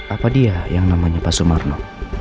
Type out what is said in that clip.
apa dia yang namanya pak sumarno